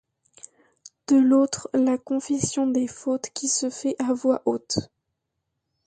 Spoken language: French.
De l'autre la confession des fautes qui se fait à voix haute.